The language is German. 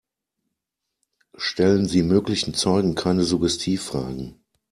Stellen Sie möglichen Zeugen keine Suggestivfragen.